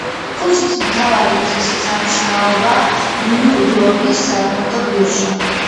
ქუჩის მთავარი ღირსშესანიშნაობაა ნიუ-იორკის საფონდო ბირჟა.